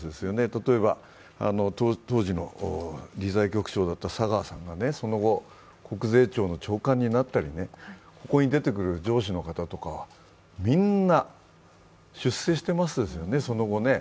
例えば当時の理財局長だった佐川さんがその後国税庁の長官になったり、ここに出てくる上司の方はみんな出世していますよね、その後ね。